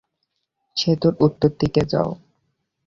সেতুর উত্তর দিকে যাও।